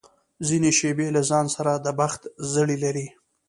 ځینې شېبې له ځان سره د بخت زړي لري.